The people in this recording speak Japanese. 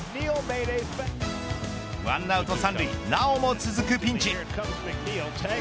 １アウト３塁なおも続くピンチ。